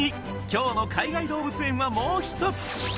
今日の海外動物園はもう一つ！